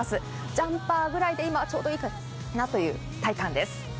ジャンパーくらいで今はちょうどいいかなという体感です。